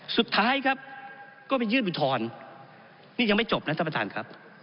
สุดท้ายครับก็ไปยื่นอุทธรณ์นี่ยังไม่จบนะท่านประธานครับ